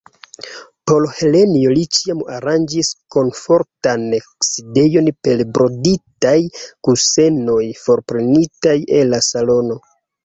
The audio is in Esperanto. Por Helenjo li ĉiam aranĝis komfortan sidejon per broditaj kusenoj forprenitaj el la salono.